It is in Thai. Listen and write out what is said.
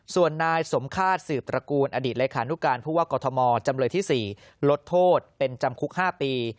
ส่วนนายสมฆาตสืบตระกูลอดีตเลขานุการผู้ว่ากอทมจำเลยที่๔ลดโทษเป็นจำคุก๕ปี